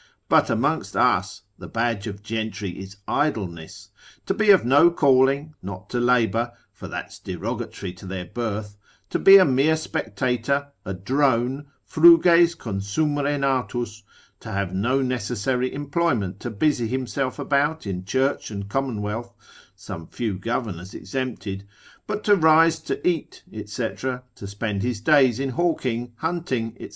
But amongst us the badge of gentry is idleness: to be of no calling, not to labour, for that's derogatory to their birth, to be a mere spectator, a drone, fruges consumere natus, to have no necessary employment to busy himself about in church and commonwealth (some few governors exempted), but to rise to eat, &c., to spend his days in hawking, hunting, &c.